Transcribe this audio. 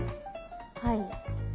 はい。